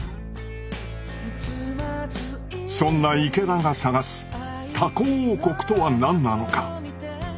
そんな池田が探す「タコ王国」とは何なのか？